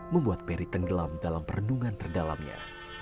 membuat peri tenggelam dalam perenungan terdalamnya